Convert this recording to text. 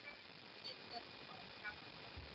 msaili anatakiwa kuwa na uhusiano mzuri na mwenye shajara